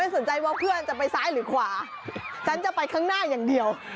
สนใจว่าเพื่อนจะไปซ้ายหรือขวาฉันจะไปข้างหน้าอย่างเดียว